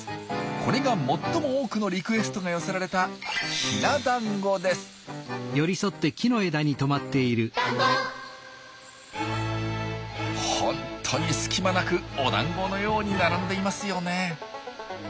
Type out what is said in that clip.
これが最も多くのリクエストが寄せられたホントに隙間なくお団子のように並んでいますよね。